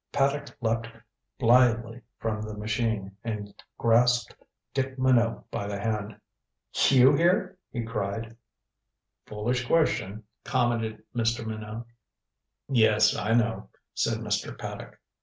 Paddock leaped blithely from the machine and grasped Dick Minot by the hand. "You here?" he cried. "Foolish question," commented Mr. Minot. "Yes, I know," said Mr. Paddock.